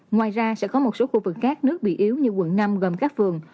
ngoài ra sẽ có một số khu vực khác nước bị yếu như quận năm gồm các phường